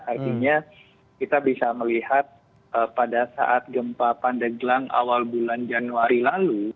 artinya kita bisa melihat pada saat gempa pandeglang awal bulan januari lalu